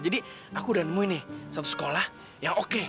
jadi aku udah nemuin nih satu sekolah yang oke